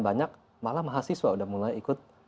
banyak malah mahasiswa udah mulai ikut